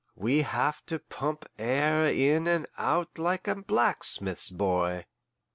We have to pump air in and out like a blacksmith's boy."